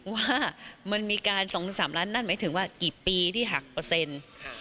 ว่ามันมีการสองสามล้านนั่นหมายถึงว่ากี่ปีที่หักเปอร์เซ็นต์